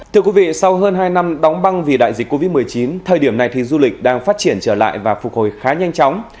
thưa quý vị sau hơn hai năm đóng băng vì đại dịch covid một mươi chín thời điểm này thì du lịch đang phát triển trở lại và phục hồi khá nhanh chóng